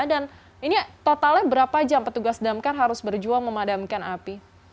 dan ini totalnya berapa jam petugas damkar harus berjuang memadamkan api